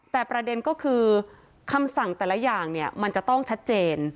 แต่ประเด็นก็คือคำสั่งแต่ละอย่างเนี่ยมันจะต้องชัดเจน